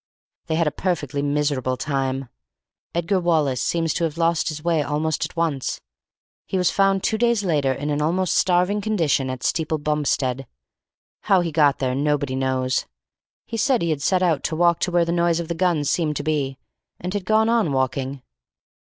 They had a perfectly miserable time. Edgar Wallace seems to have lost his way almost at once. He was found two days later in an almost starving condition at Steeple Bumpstead. How he got there nobody knows. He said he had set out to walk to where the noise of the guns seemed to be, and had gone on walking.